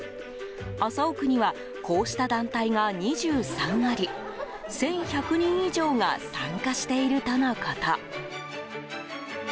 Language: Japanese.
麻生区にはこうした団体が２３あり１１００人以上が参加しているとのこと。